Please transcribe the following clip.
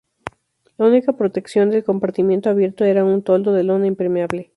La única protección del compartimiento abierto era un toldo de lona impermeable.